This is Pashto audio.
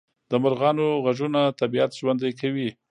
د مرغانو غږونه طبیعت ژوندی کوي